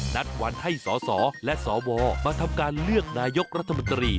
นัดวันให้สสและสวมาทำการเลือกนายกรัฐมนตรี